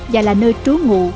và là nơi trú ngụ